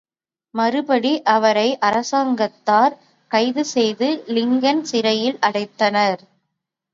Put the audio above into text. மறுபடி அவரை அரசாங்கத்தார் கைது செய்து லிங்கன் சிறையில் அடைத்தனர்.